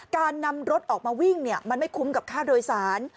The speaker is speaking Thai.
การนำรถออกมาวิ่งมันไม่คุ้มกับค่าโดยสาร